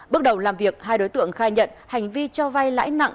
bước đầu làm việc hai đối tượng khai nhận hành vi cho vay lãi nặng